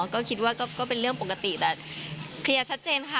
ก็คิดว่าก็เป็นเรื่องปกติแต่เคลียร์ชัดเจนค่ะ